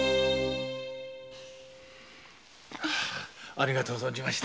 ありがとう存じました。